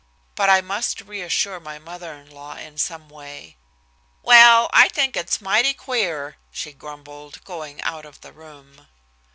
But I must reassure my mother in law in some way. "Well, I think it's mighty queer," she grumbled, going out of the room.